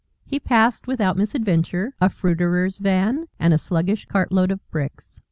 He passed, without misadventure, a fruiterer's van and a sluggish cartload of bricks.